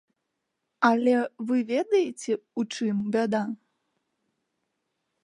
Але вы ведаеце, у чым бяда?